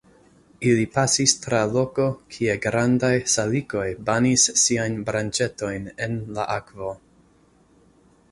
Ili pasis tra loko, kie grandaj salikoj banis siajn branĉetojn en la akvo.